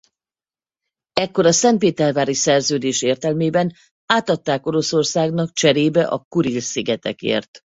Ekkor a szentpétervári szerződés értelmében átadták Oroszországnak cserébe a Kuril-szigetekért.